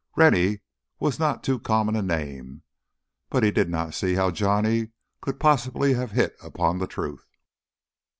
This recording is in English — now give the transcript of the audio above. Rennie was not too common a name, but he did not see how Johnny could possibly have hit upon the truth.